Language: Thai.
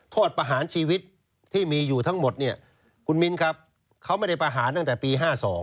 โทษประหารชีวิตที่มีอยู่ทั้งหมดเนี่ยคุณมิ้นครับเขาไม่ได้ประหารตั้งแต่ปี๕๒